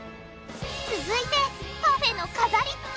続いてパフェの飾りつけ！